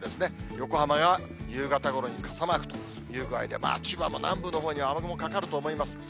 横浜や、夕方ごろに傘マークという具合で、千葉も南部のほうには雨雲かかると思います。